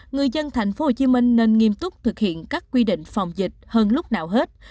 người dân tp hcm nên nghiêm túc thực hiện các quy định phòng dịch hơn lúc nào hết